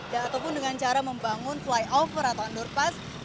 dan ataupun dengan cara membangun flyover atau underpass